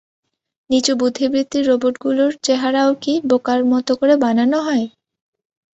নিচু বুদ্ধিবৃত্তির রোবটগুলির চেহারাও কি বোকার মতো করে বানানো হয়?